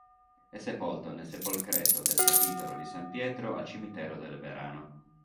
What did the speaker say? È sepolto nel sepolcreto del capitolo di San Pietro al Cimitero del Verano.